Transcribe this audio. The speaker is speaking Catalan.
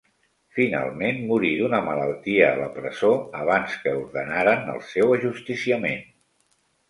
Finalment morí d'una malaltia a la presó abans que ordenaren el seu ajusticiament.